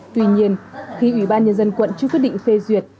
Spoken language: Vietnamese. tuy nhiên khi ủy ban nhân dân quận chưa quyết định phê duyệt